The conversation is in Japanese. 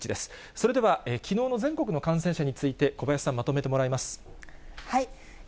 それではきのうの全国の感染者について、小林さん、まとめてもらいます。